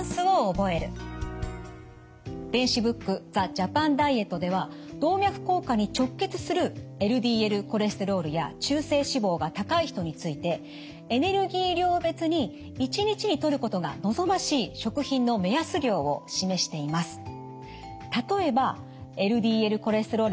電子ブック「ザ・ジャパン・ダイエット」では動脈硬化に直結するＬＤＬコレステロールや中性脂肪が高い人についてエネルギー量別に１日にとることが望ましい食品の目安量を示しています。